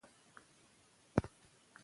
تعلیم د مطالعې تداوم ته اړتیا لري.